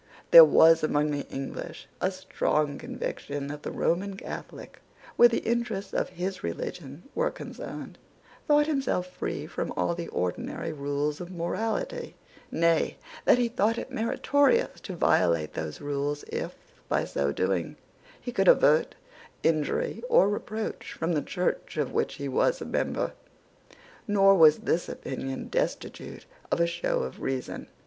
There was among the English a strong conviction that the Roman Catholic, where the interests of his religion were concerned, thought himself free from all the ordinary rules of morality, nay, that he thought it meritorious to violate those rules if, by so doing, he could avert injury or reproach from the Church of which he was a member. Nor was this opinion destitute of a show of reason.